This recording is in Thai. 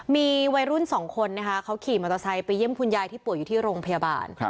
มีวัยรุ่นสองคนนะคะเขาขี่มอเตอร์ไซค์ไปเยี่ยมคุณยายที่ป่วยอยู่ที่โรงพยาบาล